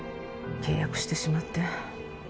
契約してしまって。